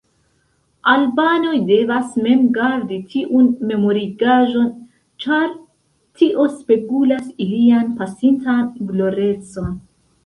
Albanoj devas mem gardi tiun memorigaĵon, ĉar tio spegulas ilian pasintan glorecon.